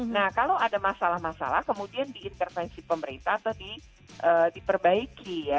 nah kalau ada masalah masalah kemudian diintervensi pemerintah atau diperbaiki ya